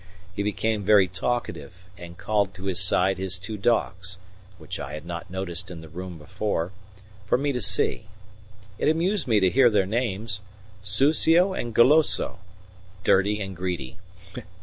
He became very talkative and called to his side his two dogs, which I had not noticed in the room before, for me to see. It amused me to hear their names Susio and Goloso: Dirty and Greedy.